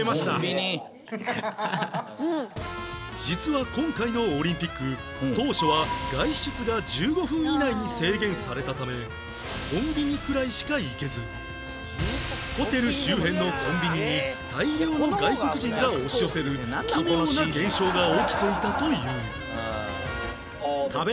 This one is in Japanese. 実は今回のオリンピック当初は外出が１５分以内に制限されたためコンビニくらいしか行けずホテル周辺のコンビニに大量の外国人が押し寄せる奇妙な現象が起きていたという